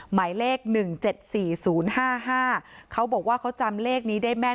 หมายเลข๑๗๔๐๕๕เขาบอกว่าเขาจำเลขนี้ได้แม่น